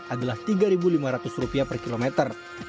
adalah rp tiga lima ratus per kilometer